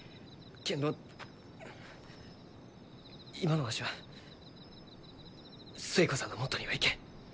けんど今のわしは寿恵子さんのもとには行けん。